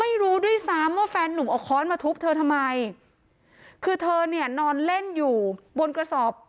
ไม่รู้ด้วยซ้ำว่าแฟนนุ่มเอาค้อนมาทุบเธอทำไมคือเธอเนี่ยนอนเล่นอยู่บนกระสอบ